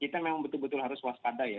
kita memang betul betul harus waspada ya